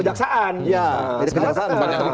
atau ke jaksaan